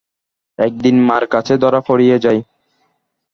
একদিন মার কাছে ধরা পড়িয়া যায়।